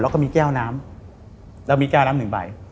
แล้วก็มีแก้วน้ำแล้วมีแก้วน้ำหนึ่งใบ